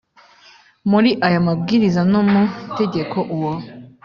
muri aya Mabwiriza no mu Itegeko Uwo